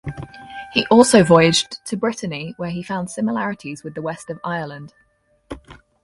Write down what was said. He also voyaged to Brittany where he found similarities with the west of Ireland.